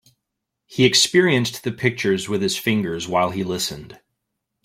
He experienced the pictures with his fingers while he listened.